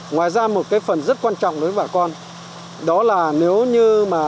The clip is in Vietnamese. ngoài ra một cái phần rất quan trọng đối với bà con đó là nếu như mà